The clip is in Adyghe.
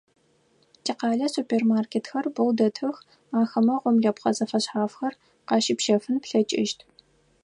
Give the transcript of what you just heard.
Тикъалэ супермаркетхэр бэу дэтых, ахэмэ гъомлэпхъэ зэфэшъхьафхэр къащыпщэфын плъэкӏыщт.